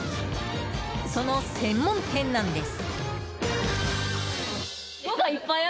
その専門店なんです。